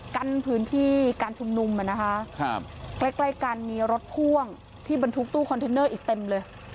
กั้นพื้นที่การชุมนุมใกล้ใกล้กันมีรถพ่วงที่บรรทุกตู้คอนเทนเนอร์อีกเต็มเลย